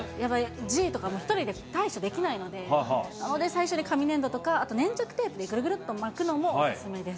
Ｇとか、１人で対処できないので、なので最初、紙粘土とか、あと粘着テープでぐるぐるっと巻くのもお勧めです。